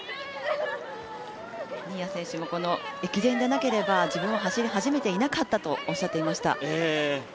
新谷選手も、駅伝でなければ自分も走り始めていなかったとおっしゃっていました。